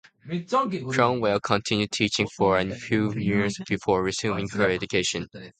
Cromwell continued teaching for a few years before resuming her education.